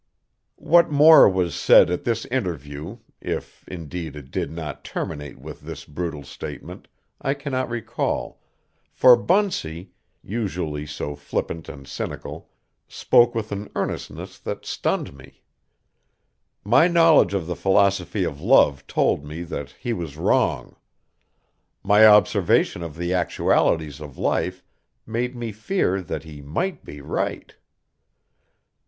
What more was said at this interview, if, indeed, it did not terminate with this brutal statement, I cannot recall, for Bunsey, usually so flippant and cynical, spoke with an earnestness that stunned me. My knowledge of the philosophy of love told me that he was wrong; my observation of the actualities of life made me fear that he might be right.